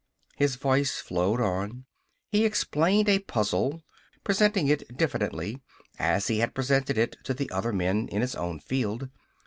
His voice flowed on. He explained a puzzle, presenting it diffidently as he had presented it to other men in his own field.